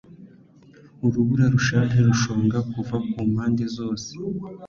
urubura rushaje rushonga kuva kumpande zose